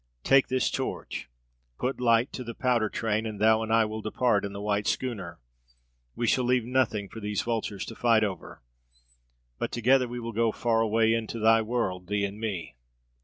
Take this torch. Put light to the powder train, and thou and I will depart in the white schooner. We shall leave nothing for these vultures to fight over. But together we will go far away into thy world, thee and me."